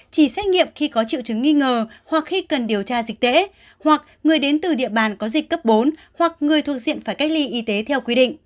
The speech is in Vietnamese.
chỉ xét nghiệm khi có triệu chứng nghi ngờ hoặc khi cần điều tra dịch tễ hoặc người đến từ địa bàn có dịch cấp bốn hoặc người thuộc diện phải cách ly y tế theo quy định